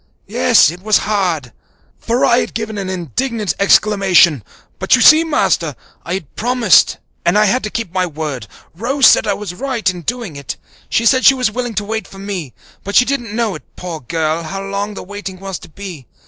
Yes, it was hard" for I had given an indignant exclamation "but you see, Master, I had promised and I had to keep my word. Rose said I was right in doing it. She said she was willing to wait for me, but she didn't know, poor girl, how long the waiting was to be.